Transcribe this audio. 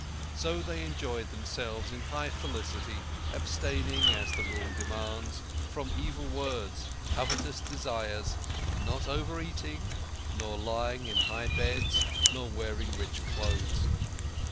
So they enjoyed themselves in high felicity, abstaining, as the Rule demands, from evil words, covetous desires; not over eating, not lying on high beds, nor wearing rich clothes.